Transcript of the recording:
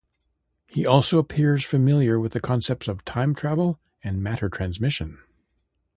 He also appears familiar with concepts of time travel and matter transmission.